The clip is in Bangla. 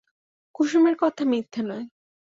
কুসুমের কথা মিথ্যে নয়।